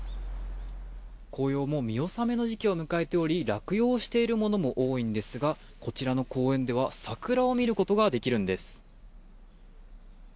紅葉もう見納めの時期を迎えており落葉しているものも多いんですがこちらの公園では桜を見ることができるんです。